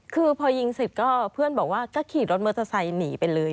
คือพอยิงเสร็จก็เพื่อนบอกว่าก็ขี่รถมอเตอร์ไซค์หนีไปเลย